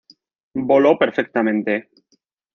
Voló perfectamente.